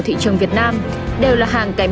tuy nhiên do lợi nhuận cao